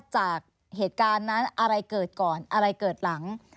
จากเหตุการณ์นั้นอะไรเกิดก่อนอะไรเกิดหลัง